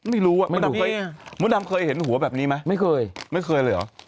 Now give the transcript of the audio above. ไม่รู้ว่ามดดำเคยเห็นหัวแบบนี้ไหมไม่เคยไม่เคยเลยเหรอ